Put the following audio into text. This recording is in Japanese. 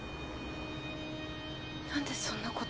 なんでそんなこと。